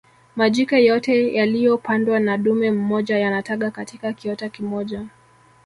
majike yote yaliyopandwa na dume mmoja yanataga katika kiota kimoja